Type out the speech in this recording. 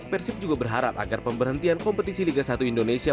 persib juga berharap agar pemberhentian kompetisi liga satu indonesia